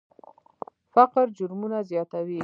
فقر جرمونه زیاتوي.